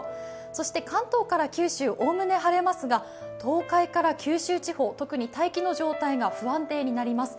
そして関東から九州、おおむね晴れますが東海から九州地方、特に大気の状態が不安定になります。